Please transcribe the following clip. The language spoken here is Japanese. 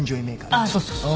あっそうそうそう。